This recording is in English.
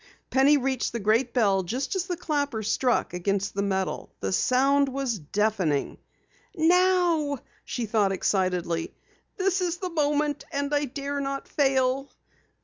Penny reached the great bell just as the clapper struck against the metal. The sound was deafening. "Now!" she thought excitedly. "This is the moment, and I dare not fail!"